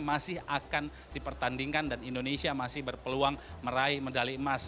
masih akan dipertandingkan dan indonesia masih berpeluang meraih medali emas